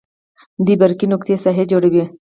دوې برقي نقطې ساحه جوړوي.